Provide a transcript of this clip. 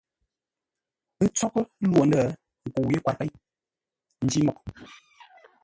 Pə́ tsóghʼə́ lwô ndə̂, nkəu yé kwar péi nj́-mǒghʼ.